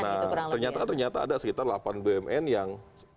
nah ternyata ternyata ada sekitar delapan bumn yang